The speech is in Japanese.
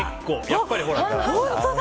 やっぱり、ほら。